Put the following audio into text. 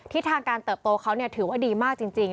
ทิศทางการเติบโตเขาถือว่าดีมากจริง